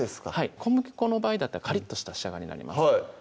小麦粉の場合だったらカリッとした仕上がりになります